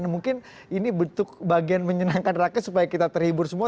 mungkin ini bentuk bagian menyenangkan rakyat supaya kita terhibur semua